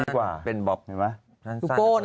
นี่เค้าซ่อยผม